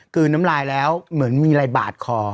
น้ำลายแล้วเหมือนมีอะไรบาดคอ